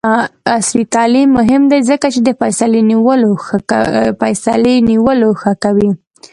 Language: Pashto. عصري تعلیم مهم دی ځکه چې د فیصلې نیولو ښه کوي.